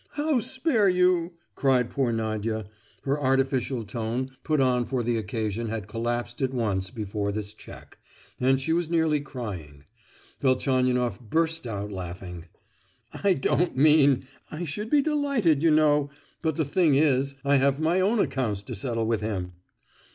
"How spare you?" cried poor Nadia. Her artificial tone put on for the occasion had collapsed at once before this check, and she was nearly crying. Velchaninoff burst out laughing. "I don't mean—I should be delighted, you know—but the thing is, I have my own accounts to settle with him!"